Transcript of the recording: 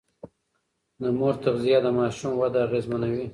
د مور تغذيه د ماشوم وده اغېزمنوي.